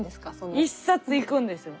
１冊いくんですよ。